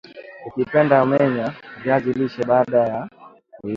Ukipenda menya viazi lishe baada ya kuiva